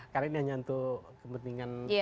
karena ini hanya untuk kepentingan